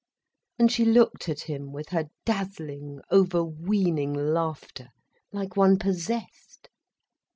And she looked at him with her dazzling, overweening laughter, like one possessed.